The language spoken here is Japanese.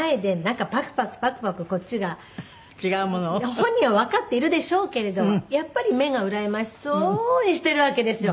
本人はわかっているでしょうけれどもやっぱり目がうらやましそうにしてるわけですよ。